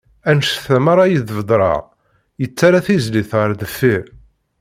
Annenct-a meṛṛa i d-bedreɣ, yettarra tizlit ɣer deffir.